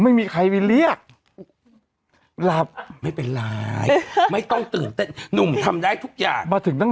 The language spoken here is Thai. ไม่มีใครไปเรียกรับไม่เป็นไรไม่ต้องตื่นเต้นหนุ่มทำได้ทุกอย่างมาถึงตั้ง